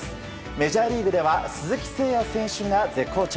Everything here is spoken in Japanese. メジャーリーグでは鈴木誠也選手が絶好調。